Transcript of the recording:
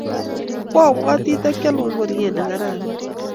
Kwobwoti takialun ngoryet ne kararan